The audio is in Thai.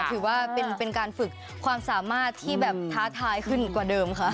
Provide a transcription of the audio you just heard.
ถือว่าเป็นการฝึกความสามารถที่แบบท้าทายขึ้นกว่าเดิมค่ะ